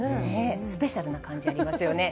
スペシャルな感じ、ありますよね。